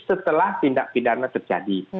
setelah tindak pidana terjadi